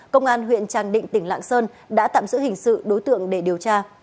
công an huyện tràng định tỉnh lạng sơn đã tạm giữ hình sự đối tượng để điều tra